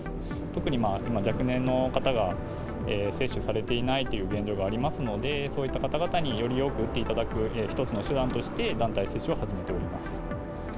特に若年の方が接種されていないという現状がありますので、そういった方々により多く打っていただく一つの手段として、団体接種を始めております。